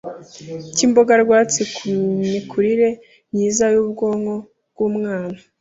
k’imboga rwatsi ku mikurire myiza y’ubwonko bw’umwana,